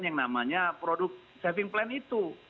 yang namanya produk saving plan itu